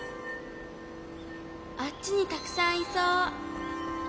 あっちにたくさんいそう。